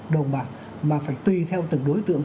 đồng bằng mà phải tùy theo từng đối tượng